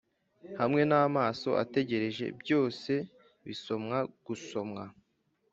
hamwe n'amaso ategereje, byose bisomwa gusomwa!